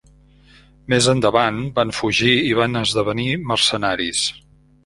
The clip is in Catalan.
Més endavant, van fugir i van esdevenir mercenaris.